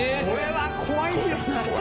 これは怖いよな。